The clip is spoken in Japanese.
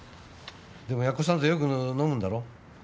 でも奴さんとよく飲むんだろ？